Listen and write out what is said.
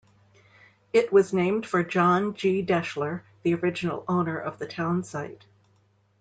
It was named for John G. Deshler, the original owner of the town site.